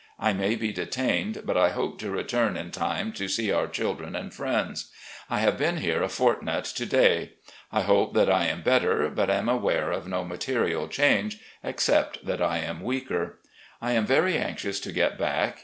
I may be detained, but I hope to return in time to see our children and friends. I have been here a fortnight to day. I hope that I am better, but am aware of no material change, except that I am weaker. I am very anxious to get back.